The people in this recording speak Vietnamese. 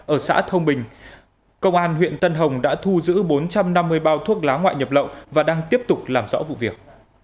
ở xã thông bình công an huyện tân hồng đã thu giữ bốn trăm năm mươi bao thuốc lá ngoại nhập lậu và đang tiếp tục làm rõ vụ việc